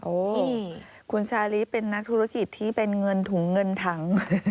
โอ้โหคุณชาลิเป็นนักธุรกิจที่เป็นเงินถุงเงินถัง